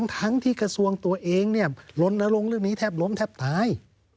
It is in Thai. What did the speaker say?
ทั้งที่กระทรวงตัวเองลนลงเรื่องนี้แทบล้มแทบตาย